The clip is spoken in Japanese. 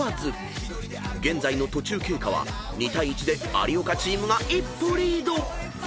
［現在の途中経過は２対１で有岡チームが一歩リード］